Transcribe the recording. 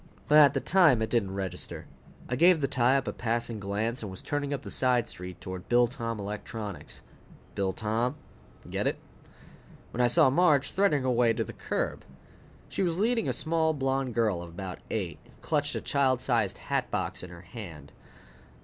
But at the time it didn't register. I gave the tie up a passing glance and was turning up the side street toward Biltom Electronics Bill Tom, get it? when I saw Marge threading her way to the curb. She was leading a small blonde girl of about eight, who clutched a child size hatbox in her hand.